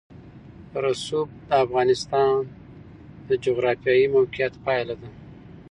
رسوب د افغانستان د جغرافیایي موقیعت پایله ده.